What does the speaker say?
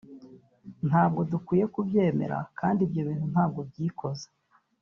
ntabwo dukwiye kubyemera kandi ibyo bintu ntabwo byikoze